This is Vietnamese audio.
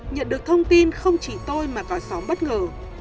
nhận được thông tin không chỉ tôi mà tòa xóm bất ngờ